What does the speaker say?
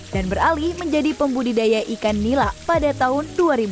dan beralih menjadi pembudidaya ikan nila pada tahun dua ribu sepuluh